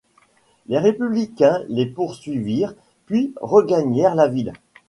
Les Républicains les poursuivirent puis regagnèrent la ville.